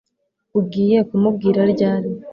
Ugiye kumubwira ryari